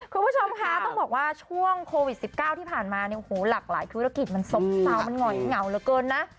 คุณผู้ชมคะต้องบอกว่าช่วงโควิด๑๙ที่ผ่านมาเนี่ยโอ้โหหลากหลายธุรกิจมันซบเซามันหง่อยเหงาเหลือเกินนะ